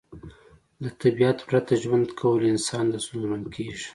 له طبیعت پرته ژوند کول انسان ته ستونزمن کیږي